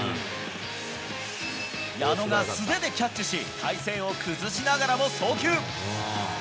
矢野が素手でキャッチし、体勢を崩しながらも送球。